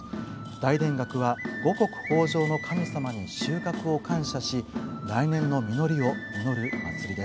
大田楽は五穀豊じょうの神様に収穫を感謝し来年の実りを祈る祭りです。